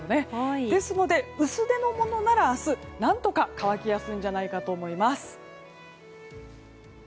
ですので、薄手のものなら明日何とか乾きやすいんじゃないかと思います。